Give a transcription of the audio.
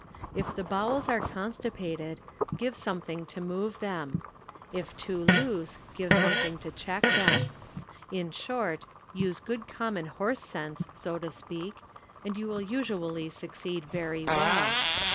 If the bowels are constipated give sotnething to move them. If too loose give something to check them. In short, use good common horse sense (so to speak) and you will usually suc ceed very well.